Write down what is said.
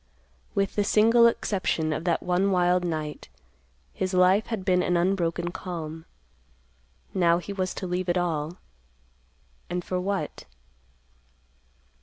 With the single exception of that one wild night, his life had been an unbroken calm. Now he was to leave it all. And for what?